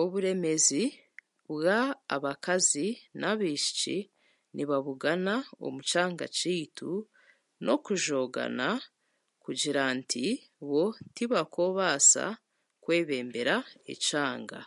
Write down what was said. Oburemezi bw'abakazi n'abaishiki nibabugana omu kyanga kyeitu n'okujogana kugira nti bo tibaoobasa kwebembera ekyanga.